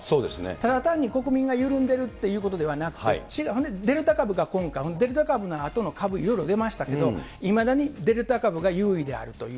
ただ単に国民が緩んでいるということではなくて、デルタ株が今回、デルタ株のあとの株、いろいろ出ましたけど、いまだにデルタ株が優位であるという。